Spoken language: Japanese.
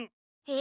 え！